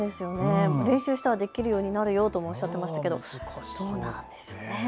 練習したらできるようになるよとおっしゃってていましたがそうなんですね。